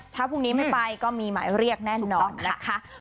ถ้าพรุ่งนี้ไม่ไปก็มีหมายเรียกแน่นอนนะคะ